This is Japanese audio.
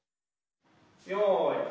・よい。